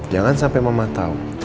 jangan sampai mama tau